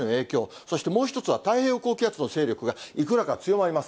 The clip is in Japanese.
そしてもう１つは太平洋高気圧の勢力がいくらか強まります。